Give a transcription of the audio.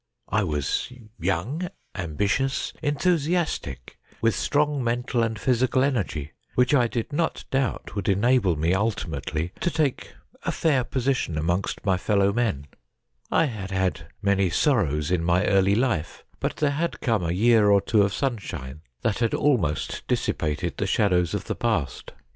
I was young, ambitious, enthusiastic, with strong mental and physical energy, which I did not doubt would enable me ultimately to take a fair position amongst my fellow men. I had had many sorrows in my early life, but there had come a year or two of sunshine that had almost dissipated 122 STORIES WEIRD AND WONDERFUL the shadows of the past.